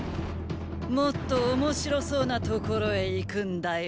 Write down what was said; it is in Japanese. もっと面白そうな所へ行くんだよ。